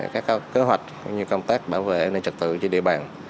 các kế hoạch cũng như công tác bảo vệ an ninh trật tự trên địa bàn